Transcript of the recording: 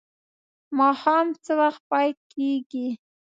ماښام څه وخت پای کیږي؟